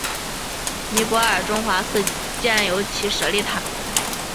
尼泊尔中华寺建有其舍利塔。